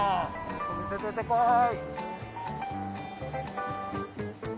お店出てこい。